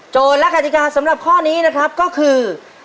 และกติกาสำหรับข้อนี้นะครับก็คือ